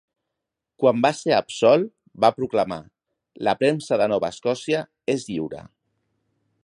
Quan va ser absolt, va proclamar: "la premsa de Nova Escòcia és lliure".